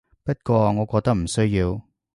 不過我覺得唔需要